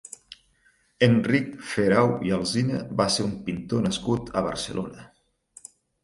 Enric Ferau i Alsina va ser un pintor nascut a Barcelona.